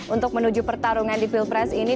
untuk menuju pertarungan di pilpres ini